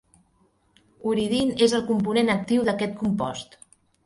Uridine és el component actiu d'aquest compost.